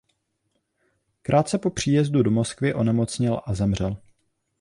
Krátce po příjezdu do Moskvy onemocněl a zemřel.